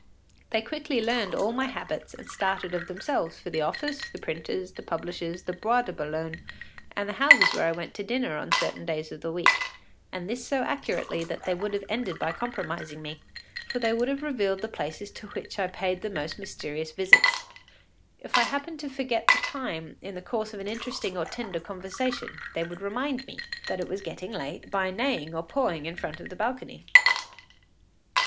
They quickly learned all my habits and started of themselves for the office, the printer’s, the publishers’, the Bois de Boulogne, and the houses where I went to dinner on certain days of the week, and this so accurately that they would have ended by compromising me, for they would have revealed the places to which I paid the most mysterious visits. If I happened to forget the time in the course of an interesting or tender conversation they would remind me it was getting late by neighing or pawing in front of the balcony.